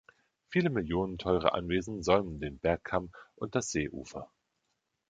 Viele Millionen teure Anwesen säumen den Bergkamm und das Seeufer.